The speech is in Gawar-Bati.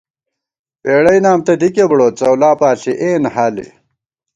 پېڑئی نام تہ دِکےبُڑوت څؤلا پاݪی اېن حالے